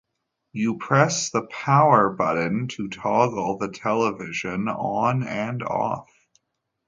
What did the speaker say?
You press the "power" button to toggle the television on and off.